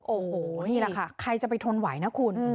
โอ้โหนี่แหละค่ะใครจะไปทนไหวนะคุณ